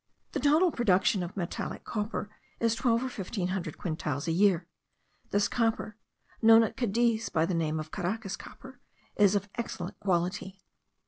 The total produce of metallic copper is twelve or fifteen hundred quintals a year. This copper, known at Cadiz by the name of Caracas copper, is of excellent quality.